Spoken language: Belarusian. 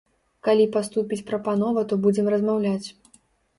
Калі паступіць прапанова, то будзем размаўляць.